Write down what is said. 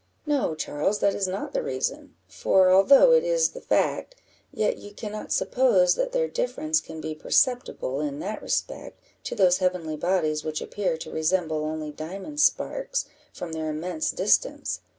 "No, Charles, that is not the reason; for although it is the fact, yet you cannot suppose that their difference can be perceptible, in that respect, to those heavenly bodies which appear to resemble only diamond sparks, from their immense distance.